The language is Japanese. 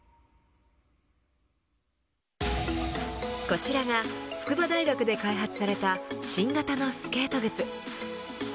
こちらが筑波大学で開発された新型のスケート靴。